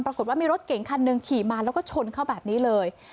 ปรากฏว่ามีรถเก่งคันหนึ่งขี่มาแล้วก็ชนเข้าแบบนี้เลย